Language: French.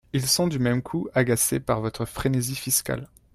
Ils sont du même coup agacés par votre frénésie fiscale.